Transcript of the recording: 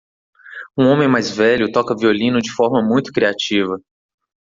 Um homem mais velho toca violino de forma muito criativa.